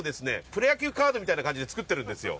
プロ野球カードみたいな感じで作ってるんですよ。